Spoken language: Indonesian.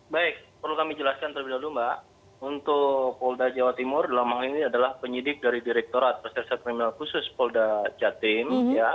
baik perlu kami jelaskan terlebih dahulu mbak untuk polda jawa timur dalam hal ini adalah penyidik dari direkturat reserse kriminal khusus polda jatim